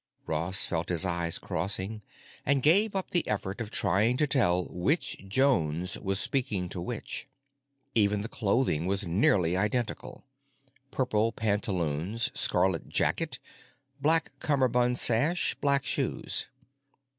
Ross felt his eyes crossing, and gave up the effort of trying to tell which Jones was speaking to which. Even the clothing was nearly identical—purple pantaloons, scarlet jacket, black cummerbund sash, black shoes.